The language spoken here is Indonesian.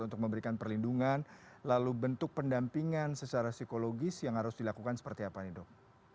untuk memberikan perlindungan lalu bentuk pendampingan secara psikologis yang harus dilakukan seperti apa nih dok